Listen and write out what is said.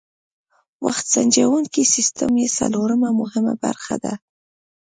وخت سنجوونکی سیسټم یې څلورمه مهمه برخه ده.